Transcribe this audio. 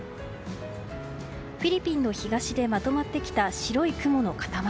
フィリピンの東でまとまってきた白い雲の塊。